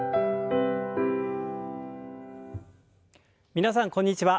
皆さんこんにちは。